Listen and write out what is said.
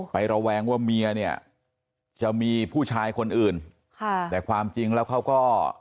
ระแวงว่าเมียเนี่ยจะมีผู้ชายคนอื่นค่ะแต่ความจริงแล้วเขาก็